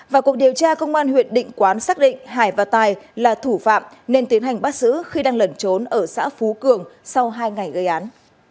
và cuộc điều tra công an huyện định quán xác định hải và tài là thủ phạm nên tiến hành bắt giữ khi đang lẩn trốn ở xã phú cường sau hai ngày gây án